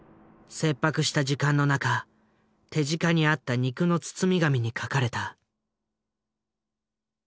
切迫した時間の中手近にあった肉の包み紙に書かれた。